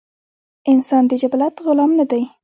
انسان د جبلت غلام نۀ دے